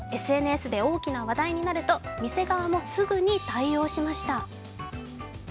ＳＮＳで大きな話題となると店側もすぐに対応しました。